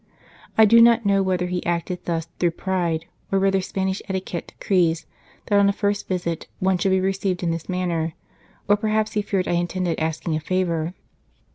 I do not know whether he acted thus through pride, or whether Spanish etiquette decrees that on a first visit one 157 St. Charles Borromeo should be received in this manner, or perhaps he feared I intended asking a favour."